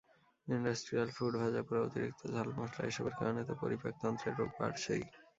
Industrial food, ভাজাপোড়া, অতিরিক্ত ঝাল-মসলা—এসবের কারণে তো পরিপাকতন্ত্রের রোগ বাড়ছেই।